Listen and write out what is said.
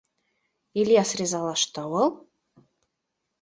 — Ильяс ризалашты ул.